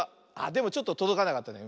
でもちょっととどかなかったね。